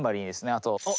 あと。